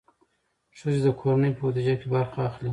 ښځې د کورنۍ په بودیجه کې برخه اخلي.